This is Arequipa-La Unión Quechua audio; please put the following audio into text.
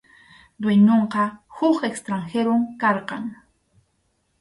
Dueñonqa huk extranjerom karqan.